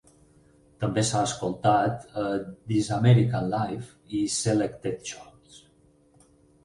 També s'ha escoltat a "This American Life" i "Selected Shorts".